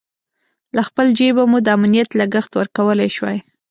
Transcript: له خپل جېبه مو د امنیت لګښت ورکولای شوای.